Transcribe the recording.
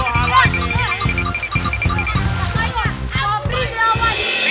kau ngapain pak